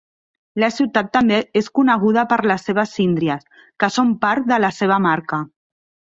La ciutat també és coneguda per les seves síndries, que són part de la seva marca.